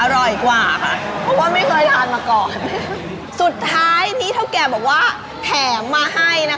อร่อยกว่าค่ะเพราะว่าไม่เคยทานมาก่อนสุดท้ายนี้เท่าแก่บอกว่าแถมมาให้นะคะ